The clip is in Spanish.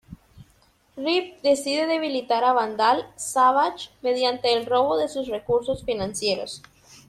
Rip decide debilitar a Vandal Savage mediante el robo de sus recursos financieros.